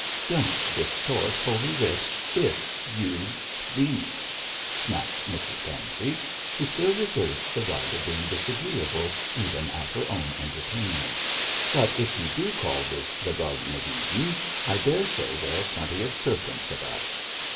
'Don't distort Holy Writ, if you please!' snapped Mrs Pansey, who still reserved the right of being disagreeable even at her own entertainment; 'but if you do call this the Garden of Eden, I daresay there are plenty of serpents about.'